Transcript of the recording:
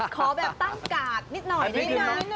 ขอแบบตั้งกาดนิดหน่อยได้ไหม